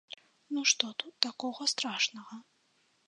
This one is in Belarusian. Ну што тут такога страшнага?